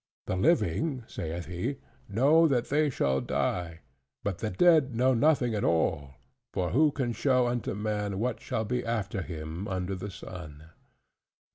The living (saith he) know that they shall die, but the dead know nothing at all: for who can show unto man what shall be after him under the sun?"